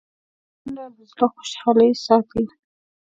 منډه د زړه خوشحال ساتي